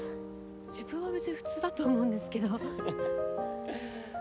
自分は別に普通だと思うんですけど。